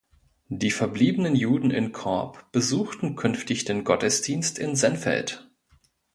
Die verbliebenen Juden in Korb besuchten künftig den Gottesdienst in Sennfeld.